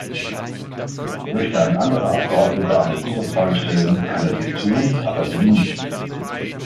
Möchte ein anderer Abgeordneter eine Zusatzfrage stellen, kann er dies tun, aber Sie nicht.